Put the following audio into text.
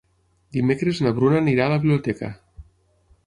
Dimecres na Bruna anirà a la biblioteca.